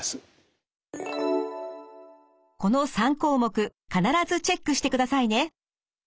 この３項目必ずチェックしてくださいね。